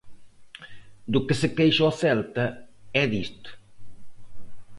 Do que se queixa o Celta é disto.